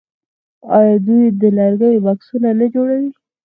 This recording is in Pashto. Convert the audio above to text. آیا دوی د لرګیو بکسونه نه جوړوي؟